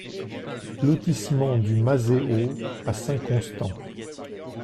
Lotissement du Mazet Haut à Saint-Constant